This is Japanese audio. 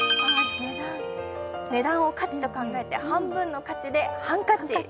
値段を価値と考えて半分の価値でハンカチ。